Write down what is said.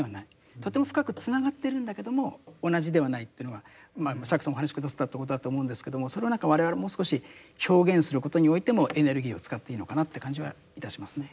とても深くつながってるんだけども同じではないというのが釈さんもお話し下さったってことだと思うんですけどもそれを何か我々もう少し表現することにおいてもエネルギーを使っていいのかなって感じはいたしますね。